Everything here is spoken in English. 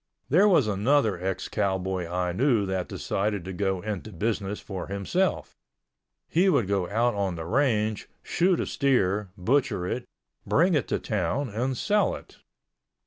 There was another ex cowboy I knew that decided to go into business for himself. He would go out on the range, shoot a steer, butcher it, bring it to town and sell it.